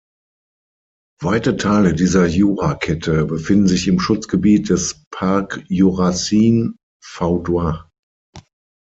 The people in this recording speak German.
Weite Teile dieser Jurakette befinden sich im Schutzgebiet des Parc jurassien vaudois.